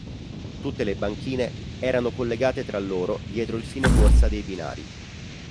Tutte le banchine erano collegate tra loro dietro il fine corsa dei binari.